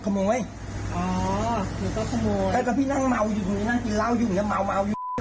ก็ขโมยแล้วก็พี่นั่งเมาอยู่นี่นั่งกินเหล้าอยู่อย่างเงี้ยเมาเมาอยู่